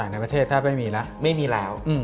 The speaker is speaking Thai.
ในประเทศแพร่ไม่มีแล้ว